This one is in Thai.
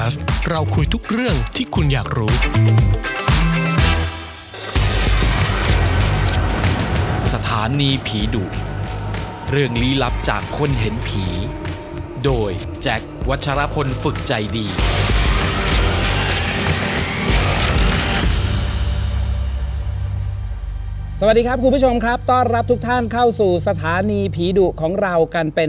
สวัสดีครับคุณผู้ชมครับต้อนรับทุกท่านเข้าสู่สถานีผีดุของเรากันเป็น